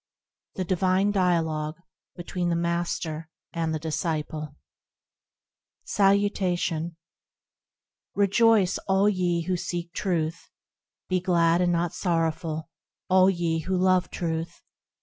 The Divine Dialogue between the Master and the Disciple Salutation REJOICE, all ye who seek Truth ! Be glad and not sorrowful, all ye who love Truth!